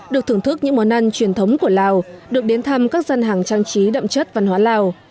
được thưởng thức những món ăn truyền thống của lào được đến thăm các gian hàng trang trí đậm chất văn hóa lào